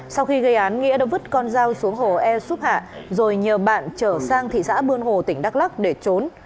sau khi gây án nghĩa đã vứt con dao xuống hồ e xúc hạ rồi nhờ bạn trở sang thị xã buôn hồ tỉnh đắk lắc để trốn